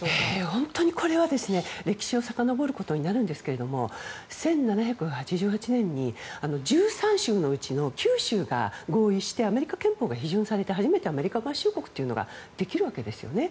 本当にこれは、歴史をさかのぼることになるんですが１７８８年に１３州のうちの９州が合意して、アメリカ憲法が批准されて初めてアメリカ合衆国ができるわけですよね。